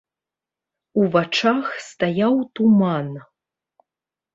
У вачах стаяў туман.